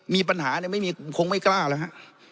มีปัญหาเนี่ยคงไม่กล้าแล้วฮะ